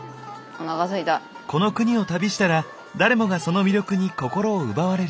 この国を旅したら誰もがその魅力に心を奪われる。